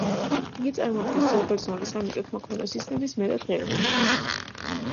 იგი წარმოადგენს ძველბერძნული სამიწათმოქმედო სისტემის მეტად ღირებულ ნიმუშს.